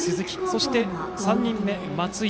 そして３人目、松井。